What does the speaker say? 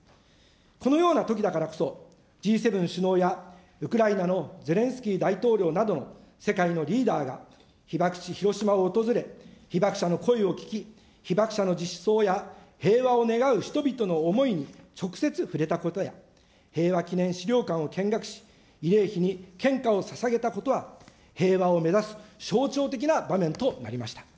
このようなときだからこそ、Ｇ７首脳やウクライナのゼレンスキー大統領などの世界のリーダーが被爆地、広島を訪れ、被爆者の声を聞き、被爆者の実相や平和を願う人々の思いに直接触れたことや、平和記念資料館を見学し、慰霊碑に献花をささげたことは、平和を目指す象徴的な場面となりました。